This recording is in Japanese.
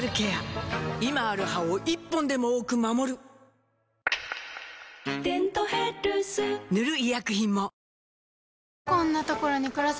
今ある歯を１本でも多く守る「デントヘルス」塗る医薬品も